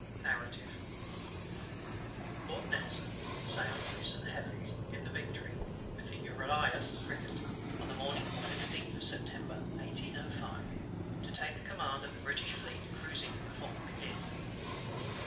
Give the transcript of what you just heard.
Narrative Lord NELSON sailed from St. Helen's in the Victory, with the Euryalus frigate, on the morning of the 15th of September 1805, to take the command of the British Fleet cruizing before Cadiz.